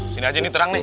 sini aja nih terang nih